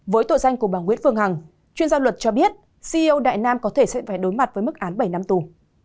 với tội danh của bà nguyễn phương hằng chuyên gia luật cho biết ceo đại nam có thể sẽ phải đối mặt với mức án bảy năm tù